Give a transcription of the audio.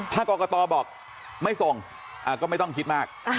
ถ้ากรกตบอกไม่ส่งก็ไม่ต้องคิดมาก